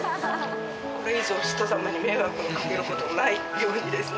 これ以上ひと様に迷惑をかける事もないようにですね